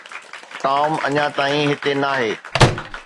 Tom اڃا تائين هتي ناهي.